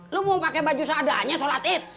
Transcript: lo mau pakai baju seadanya sholat id